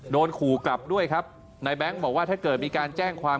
โดนขู่กลับด้วยครับนายแบงค์บอกว่าถ้าเกิดมีการแจ้งความ